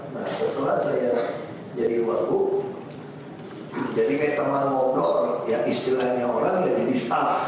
nah setelah saya jadi wagub jadi kayak teman ngobrol ya istilahnya orang jadi bisa